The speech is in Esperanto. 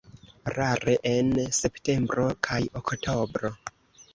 Rare en septembro kaj oktobro.